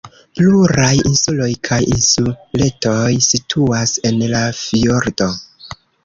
Pluraj insuloj kaj insuletoj situas en la fjordo.